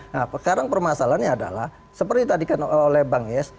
nah sekarang permasalahannya adalah seperti tadi kan oleh bang yes